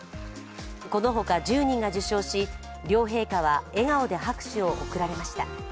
この他１０人が受賞し、両陛下は笑顔で拍手を送られました。